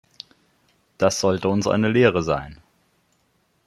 Das sollte uns eine Lehre sein.